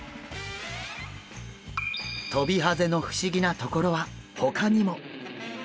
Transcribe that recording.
トビハゼの不思議なところはほかにも！